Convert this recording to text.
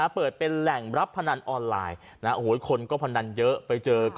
อาวุธนานนี้ภายการสูงออกมาหลังกาลเทพศ์เมืองโรงเทพศนึกเกมอีก